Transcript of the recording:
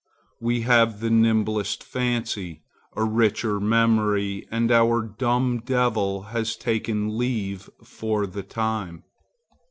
We have the nimblest fancy, a richer memory, and our dumb devil has taken leave for the time.